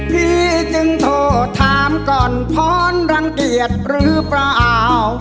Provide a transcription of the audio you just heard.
พี่จึงโทรถามก่อนพรรังเกียจหรือเปล่า